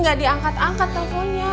gak diangkat angkat teleponnya